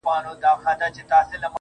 دغخ دی لوی رقيب چي نن نور له نرتوبه وځي,